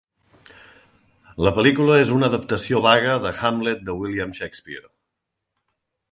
La pel·lícula és una adaptació vaga de "Hamlet" de William Shakespeare.